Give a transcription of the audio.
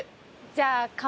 じゃあ鴨